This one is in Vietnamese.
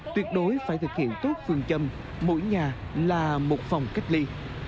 tuyệt đối phải thực hiện tốt phương châm mỗi nhà là một phòng cách ly